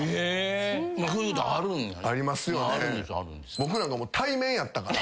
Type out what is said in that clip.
僕なんか対面やったから。